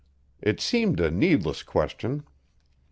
It seemed a needless question.